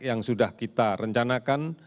yang sudah kita rencanakan